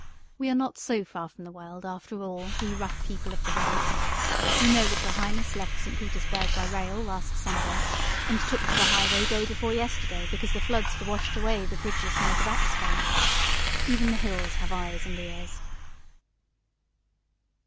We are not so far from the world, after all, we rough people of the hills. We know that your highness left St. Petersburg by rail last Sunday and took to the highway day before yesterday, because the floods had washed away the bridges north of Axphain. Even the hills have eyes and ears."